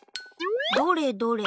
どれどれ？